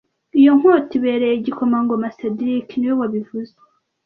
Iyo nkota ibereye igikomangoma cedric niwe wabivuze